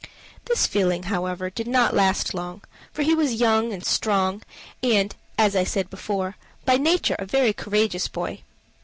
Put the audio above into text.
This feeling, however, did not last long, for he was young and strong, and, I said before, by nature a very courageous boy.